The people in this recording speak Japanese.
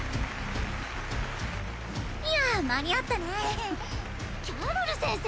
いや間に合ったねキャロル先生